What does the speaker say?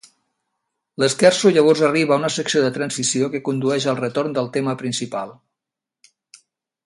L'scherzo llavors arriba a una secció de transició que condueix al retorn del tema principal.